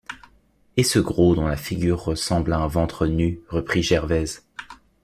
Et ce gros dont la figure ressemble à un ventre nu? reprit Gervaise.